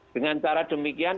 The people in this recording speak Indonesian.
dengan cara demikian